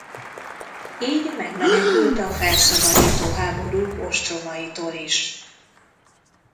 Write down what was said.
Így megmenekült a felszabadító háborúk ostromaitól is.